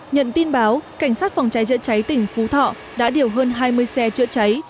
nhận tin báo cảnh sát phòng cháy chữa cháy tỉnh phú thọ đã điều hơn hai mươi xe chữa cháy